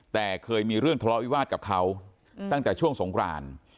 แต่เคยมีเรื่องทะเลาะวิวาสกับเขาตั้งแต่ช่วงสงคราน